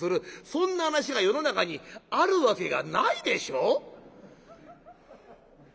そんな話が世の中にあるわけがないでしょ！」。